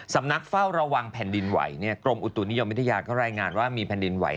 สำนักเฝ้าระวังแผ่นดินไหวกรมอุตุนิยมวิทยาก็รายงานว่ามีแผ่นดินไหว